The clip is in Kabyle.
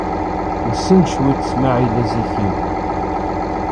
Nessen cwiṭ Smaɛil Azikiw.